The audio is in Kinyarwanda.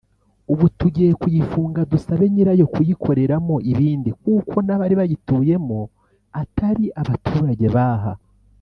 ubu tugiye kuyifunga dusabe nyirayo kuyikoreramo ibindi kuko n’abari bayituyemo atari abaturage b’aha”